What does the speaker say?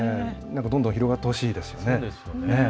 どんどん広がってほしいですよね。